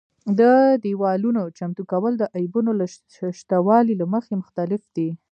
د دېوالونو چمتو کول د عیبونو له شتوالي له مخې مختلف دي.